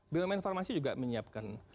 bumn farmasi juga menyiapkan